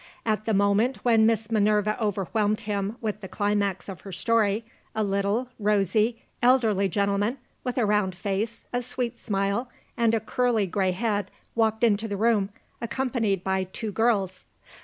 At the moment when Miss Minerva overwhelmed him with the climax of her story, a little, rosy, elderly gentleman, with a round face, a sweet smile, and a curly gray head, walked into the room, accompanied by two girls.